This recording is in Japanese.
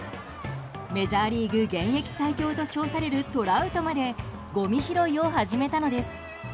メジャーリーグ現役最強と称されるトラウトまでごみ拾いを始めたのです。